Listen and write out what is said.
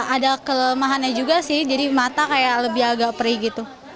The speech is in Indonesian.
ada kelemahannya juga sih jadi mata kayak lebih agak perih gitu